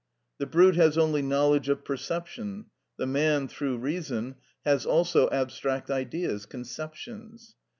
The brute has only knowledge of perception, the man, through reason, has also abstract ideas, conceptions.